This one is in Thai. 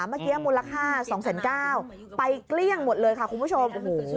เมื่อกี้มูลค่า๒๙๐๐ไปเกลี้ยงหมดเลยค่ะคุณผู้ชม